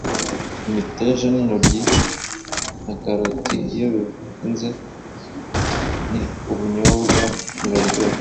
Imiteja nintoryi nakaroti iyo bivanze ni ubunyobwa biraryoha